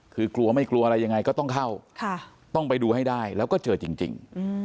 คือกลัวไม่กลัวอะไรยังไงก็ต้องเข้าต้องไปดูให้ได้แล้วก็เจอจริง